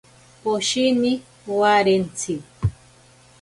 Poshini warentsi.